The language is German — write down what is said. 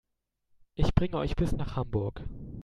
Ich bringe euch bis nach Hamburg